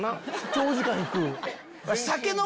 長時間いく⁉